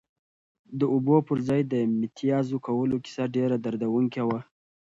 د اوبو پر ځای د متیازو کولو کیسه ډېره دردونکې وه.